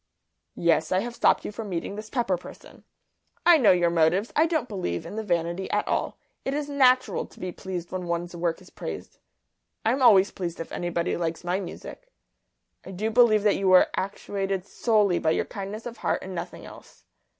"Yes, I have stopped you from meeting this Pepper person. I know your motives. I don't believe in the vanity at all. It is natural to be pleased when one's work is praised; I'm always pleased if anybody likes my music. I do believe that you were actuated solely by your kindness of heart and nothing else.